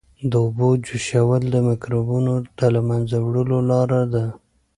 د اوبو جوشول د مکروبونو د له منځه وړلو لاره ده.